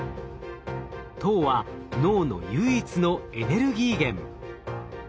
糖は脳の唯一のエネルギー源。